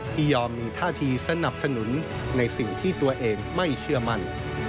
ยอมมีท่าทีสนับสนุนในสิ่งที่ตัวเองไม่เชื่อมั่น